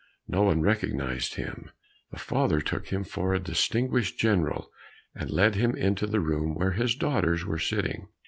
No one recognized him, the father took him for a distinguished general, and led him into the room where his daughters were sitting.